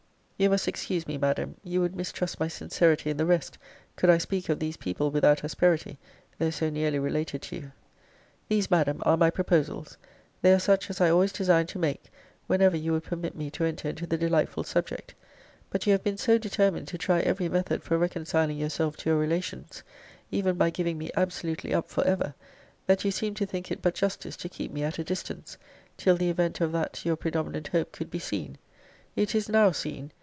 You must excuse me, Madam: you would mistrust my sincerity in the rest, could I speak of these people without asperity, though so nearly related to you. 'These, Madam, are my proposals. They are such as I always designed to make, whenever you would permit me to enter into the delightful subject. But you have been so determined to try every method for reconciling yourself to your relations, even by giving me absolutely up for ever, that you seemed to think it but justice to keep me at a distance, till the event of that your predominant hope could be seen. It is now seen!